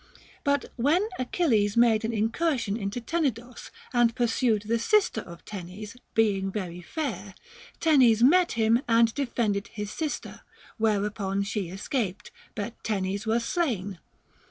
But when Achilles made an incursion into Tenedos and pursued the sister of Tenes, being very fair, Tenes met him and defended his sister ; whereupon she escaped, but Tenes was slain.